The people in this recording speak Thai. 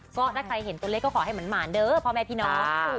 ก็ถ้าใครเห็นตัวเลขก็ขอให้หมานเด้อพ่อแม่พี่น้อง